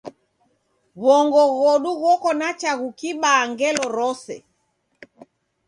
W'ongo ghodu ghoko na chaghu klibaa ngelo rose.